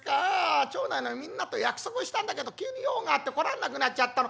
町内のみんなと約束したんだけど急に用があって来られなくなっちゃったの。